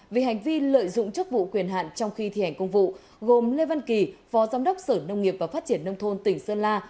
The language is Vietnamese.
vì hành vi lợi dụng chức vụ quyền hạn trong khi thi hành công vụ gồm lê văn kỳ phó giám đốc sở nông nghiệp và phát triển nông thôn tỉnh sơn la